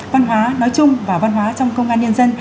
văn hóa nói chung và văn hóa trong công an nhân dân